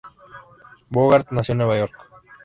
Bogart nació en Nueva York.